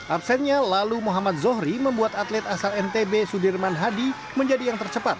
absennya lalu muhammad zohri membuat atlet asal ntb sudirman hadi menjadi yang tercepat